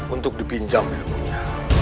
untuk dipinjam ilmunya